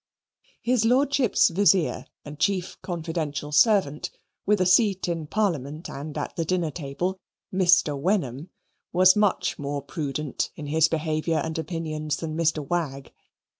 His lordship's vizier and chief confidential servant (with a seat in parliament and at the dinner table), Mr. Wenham, was much more prudent in his behaviour and opinions than Mr. Wagg.